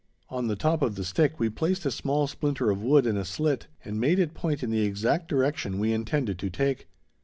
On the top of the stick we placed a small splinter of wood in a slit, and made it point in the exact direction we intended to take.